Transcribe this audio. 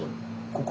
ここ？